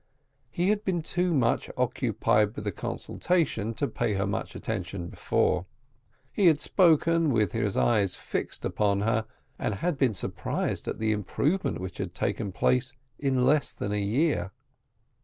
He had been too much occupied with the consultation to pay her much attention before. He had spoken, with his eyes fixed upon her, and had been surprised at the improvement which had taken place in less than a year.